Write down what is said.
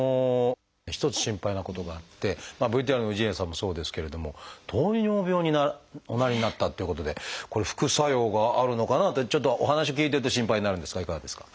一つ心配なことがあってＶＴＲの氏家さんもそうですけれども糖尿病におなりになったっていうことでこれ副作用があるのかなってちょっとお話を聞いてて心配になるんですがいかがですか？